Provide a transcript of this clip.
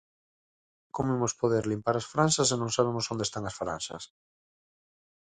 ¿Como imos poder limpar as franxas se non sabemos onde están as franxas?